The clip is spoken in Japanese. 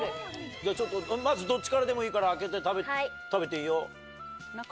まずどっちからでもいいから開けて食べていいよ。